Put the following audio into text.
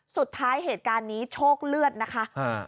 สุดท้ายเหตุการณ์นี้โชคเลือดนะคะ